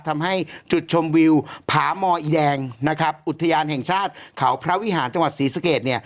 ทำให้จุดชมวิวผามออิแดงอุทยานแห่งชาติเขาพระวิหารจังหวัดศรีสเกรด